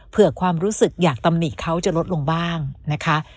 เพื่อความรู้สึกอยากตำหนิเขาจะลดลงบ้างนะคะ